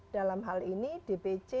dalam hal ini dpc